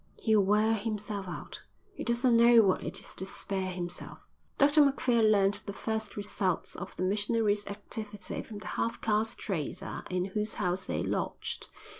"He'll wear himself out. He doesn't know what it is to spare himself." Dr Macphail learnt the first results of the missionary's activity from the half caste trader in whose house they lodged.